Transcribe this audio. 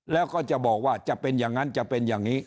แล้วก็จะบอกว่าจะเป็นอย่างนั้นจะเป็นอย่างนี้